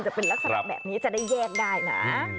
จะเป็นลักษณะแบบนี้จะได้แยกได้นะ